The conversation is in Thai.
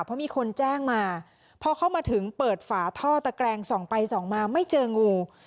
เพราะมีคนแจ้งมาพอเข้ามาถึงเปิดฝาท่อตะแกรงส่องไปส่องมาไม่เจองู